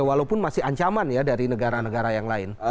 walaupun masih ancaman ya dari negara negara yang lain